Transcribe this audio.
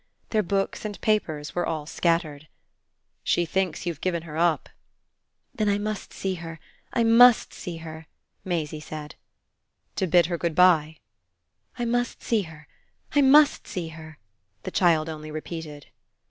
Their books and papers were all scattered. "She thinks you've given her up!" "Then I must see her I must see her," Maisie said. "To bid her good bye?" "I must see her I must see her," the child only repeated.